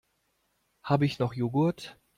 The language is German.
Habe ich noch Joghurt?